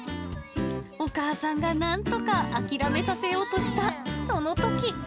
お母さんがなんとか諦めさせようとしたそのとき。